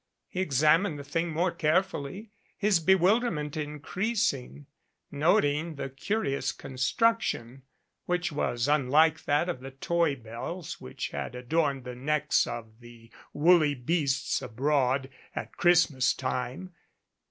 He examined the thing more carefully, his bewilder ment increasing, noting the curious construction, which was unlike that of the toy bells which had adorned the necks of the woolly beasts abroad at Christmas time.